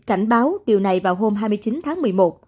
cảnh báo điều này vào hôm hai mươi chín tháng một mươi một